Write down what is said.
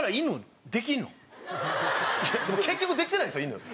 結局できてないですよ犬。